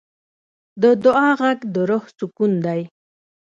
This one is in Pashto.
د دعا غږ د روح سکون دی.